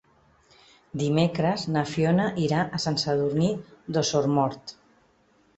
Dimecres na Fiona irà a Sant Sadurní d'Osormort.